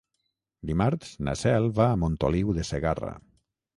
Dimarts na Cel va a Montoliu de Segarra.